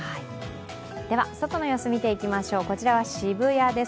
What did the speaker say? では、外の様子を見ていきましょう、こちらは渋谷です。